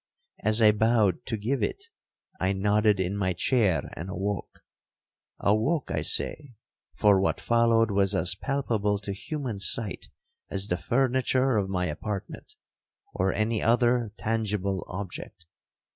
As I bowed to give it, I nodded in my chair and awoke. Awoke I say, for what followed was as palpable to human sight as the furniture of my apartment, or any other tangible object.